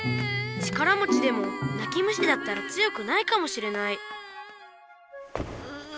力もちでもなき虫だったら強くないかもしれないうぅ。